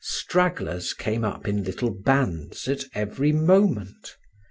Stragglers came up in little bands at every moment.